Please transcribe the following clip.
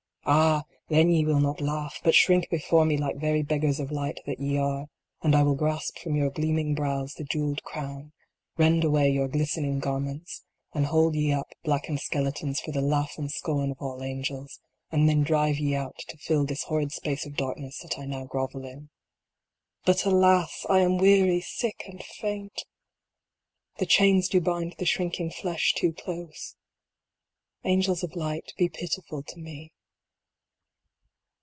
Ah ! then ye will not laugh, but shrink before me like very beggars of light that ye are, and I will grasp from your gleaming brows the jeweled crown, rend away your glistening garments, and hold ye up blackened skeletons for the laugh and scorn of all angels, and then drive ye out to fill this horrid space of darkness that I now grovel in. But, alas ! I am weary, sick, and faint The chains do bind the shrinking flesh too close. " Angels of light, be pitiful to me."